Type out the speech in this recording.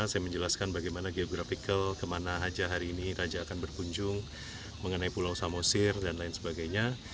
saya menjelaskan bagaimana geographical kemana saja hari ini raja akan berkunjung mengenai pulau samosir dan lain sebagainya